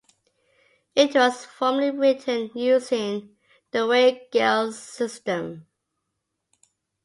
It was formerly written using the Wade-Giles system.